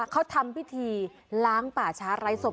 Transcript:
เขาทำพิธีล้างป่าช้าไร้ศพ